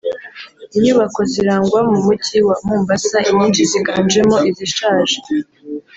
Inyubako zirangwa mu Mujyi wa Mombasa inyinshi ziganjemo izishaje